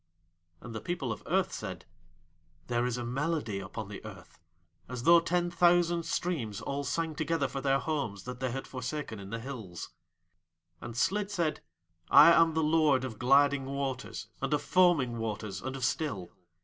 And the People of Earth said: "There is a melody upon the Earth as though ten thousand streams all sang together for their homes that they had forsaken in the hills." And Slid said: "I am the Lord of gliding waters and of foaming waters and of still.